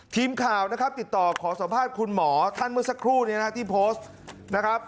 ทีมข่าวติดต่อขอสอบภาพคุณหมอท่านเมื่อสักครู่ที่โพสต์